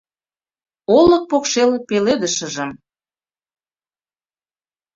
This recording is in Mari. Олык покшел пеледышыжым